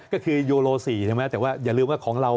ก็คือโยโล๔ใช่ไหมแต่ว่าอย่าลืมว่าของเรา